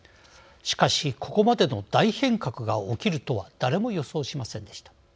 しかしここまでの大変革が起きるとは誰も予想しませんでした。